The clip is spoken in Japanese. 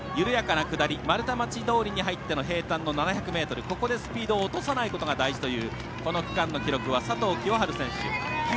丸太町通に入っての平たんな７００ｍ、ここでスピードを落とさないことが大事という、この区間の記録は佐藤清治選手。